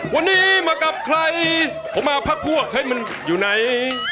วันนี้มากับใครผมมาพักพวกเฮ้ยมันอยู่ไหน